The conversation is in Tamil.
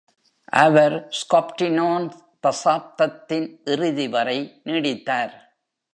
அவர் Scopitone தசாப்தத்தின் இறுதி வரை நீடித்தார்.